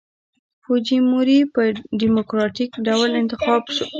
فوجیموري په ډیموکراټیک ډول انتخاب شو.